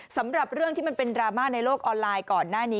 สำหรับเรื่องที่มันเป็นดราม่าในโลกออนไลน์ก่อนหน้านี้